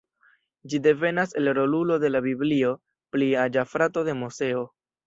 Ĝi devenas el rolulo de la Biblio, pli aĝa frato de Moseo.